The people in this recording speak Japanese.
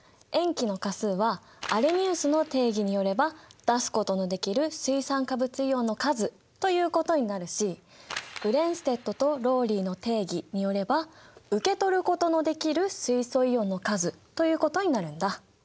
塩基の価数はアレニウスの定義によれば出すことのできる水酸化物イオンの数ということになるしブレンステッドとローリーの定義によれば受け取ることのできる水素イオンの数ということになるんだ。